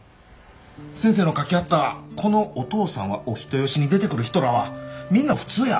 先生の書きはったこの「お父さんはお人好し」に出てくる人らはみんな普通や。